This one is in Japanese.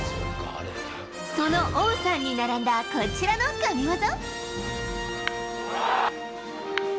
その王さんに並んだこちらの神技。